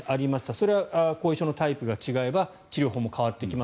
それは後遺症のタイプが違えば治療法も変わってきます。